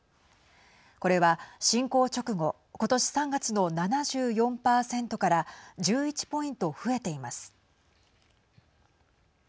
これは侵攻直後今年３月の７４％から１１ポイント増えています。